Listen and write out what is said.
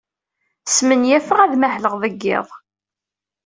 Smenyafeɣ ad mahleɣ deg iḍ.